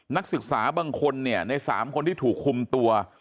นักศึกษาบางคนเนี่ยใน๓คนที่ถูกคุมตัว